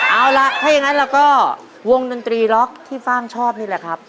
เอาล่ะถ้าอย่างนั้นเราก็วงดนตรีล็อกที่ฟ่างชอบนี่แหละครับ